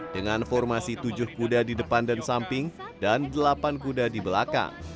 dengan formasi tujuh kuda di depan dan samping dan delapan kuda di belakang